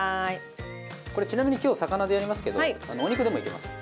ちなみに今日、魚でやりますけど、お肉でもいけます。